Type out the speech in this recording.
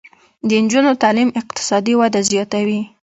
د نجونو تعلیم اقتصادي وده زیاتوي.